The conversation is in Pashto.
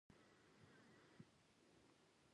د بدخشان په یفتل پایان کې د سرو زرو نښې شته.